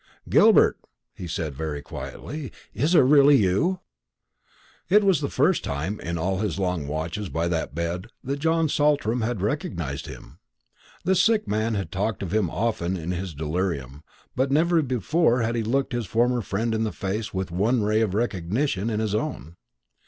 "Gilbert," he said very quietly, "is it really you?" It was the first time, in all his long watches by that bed, that John Saltram had recognised him. The sick man had talked of him often in his delirium; but never before had he looked his former friend in the face with one ray of recognition in his own.